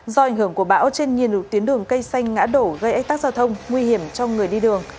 do ảnh hưởng của bão trên nhiên lục tuyến đường cây xanh ngã đổ gây ách tác giao thông nguy hiểm cho người đi đường